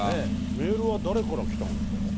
メールは誰から来たんですか？